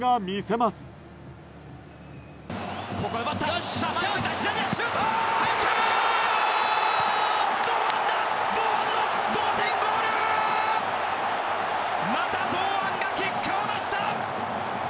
また堂安が結果を出した！